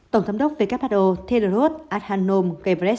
tổng thống đốc who tedros adhanom ghebreyesus